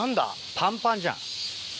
パンパンじゃん。